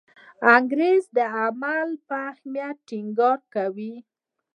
انګریز د عمل په اهمیت ټینګار کوي.